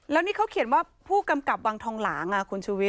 แล้วนี่เขาเขียนว่าผู้กำกับวังทองหลางคุณชูวิท